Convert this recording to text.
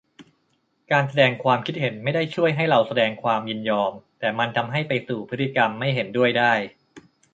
การแสดงความคิดเห็นไม่ได้ช่วยให้เราแสดงความยินยอม แต่มันทำให้ไปสู่พฤติกรรมไม่เห็นด้วยได้